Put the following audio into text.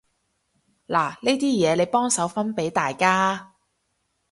嗱呢啲嘢，你幫手分畀大家啊